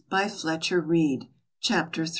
BY FLETCHER READE. CHAPTER III.